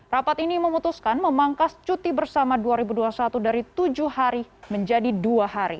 rapat ini memutuskan memangkas cuti bersama dua ribu dua puluh satu dari tujuh hari menjadi dua hari